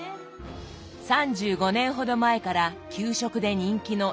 ３５年ほど前から給食で人気の津ぎょうざ。